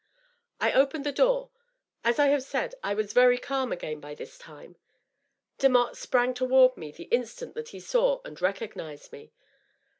I opened the door. As I have said, I was very calm again, by this time. Demotte sprang toward me the instant that he saw and recog nized me.